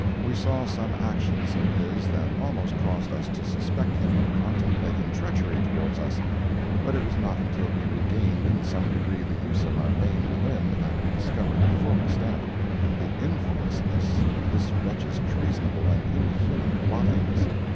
We saw some actions of his that almost caused us to suspect him of contemplating treachery towards us, but it was not until we regained in some degree the use of our maimed limb that we discovered the full extent—the infamousness of this wretch's treasonable and inhuman plottings.